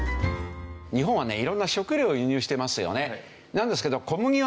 日本はね色んな食料を輸入してますよね。